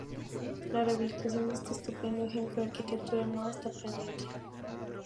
La rehabilitación de este estupendo ejemplo de arquitectura almohade está pendiente.